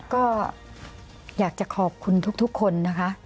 ก็อยากจะขอบคุณทุกคนนะคะ